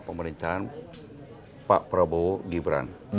pemerintahan pak prabowo gibran